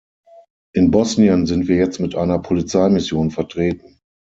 In Bosnien sind wir jetzt mit einer Polizeimission vertreten.